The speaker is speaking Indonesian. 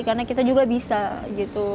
karena kita juga bisa gitu